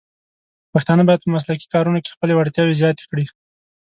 پښتانه بايد په مسلکي کارونو کې خپلې وړتیاوې زیاتې کړي.